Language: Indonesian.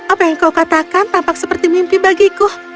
apa yang kau katakan tampak seperti mimpi bagiku